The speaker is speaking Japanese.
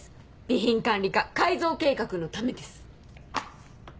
備品管理課改造計画のためです。